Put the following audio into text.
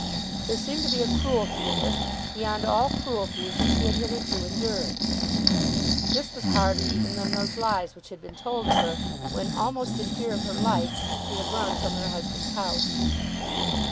There seemed to be a cruelty in this beyond all cruelties that she had hitherto endured. This was harder even than those lies which had been told of her when almost in fear of her life she had run from her husband's house.